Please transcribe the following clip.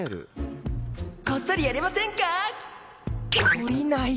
懲りない。